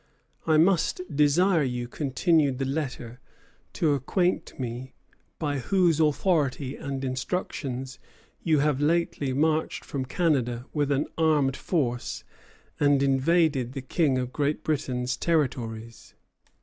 "I must desire you," continued the letter, "to acquaint me by whose authority and instructions you have lately marched from Canada with an armed force, and invaded the King of Great Britain's territories.